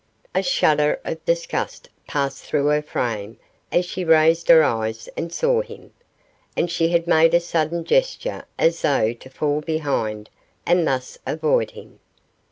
A shudder of disgust passed through her frame as she raised her eyes and saw him, and she made a sudden gesture as though to fall behind and thus avoid him.